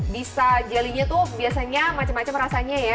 bisa jellynya tuh biasanya macem macem rasanya ya